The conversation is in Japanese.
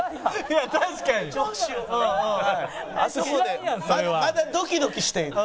あそこでまだドキドキしている。